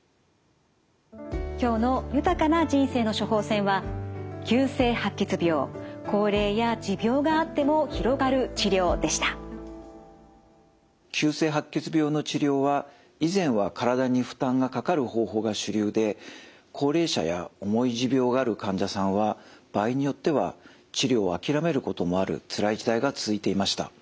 今日の「豊かな人生の処方せん」は急性白血病の治療は以前は体に負担がかかる方法が主流で高齢者や重い持病がある患者さんは場合によっては治療を諦めることもあるつらい時代が続いていました。